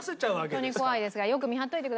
ホントに怖いですからよく見張っておいてください